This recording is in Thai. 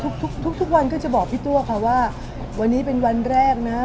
ทุกวันก็จะบอกพี่ตัวค่ะว่าวันนี้เป็นวันแรกนะ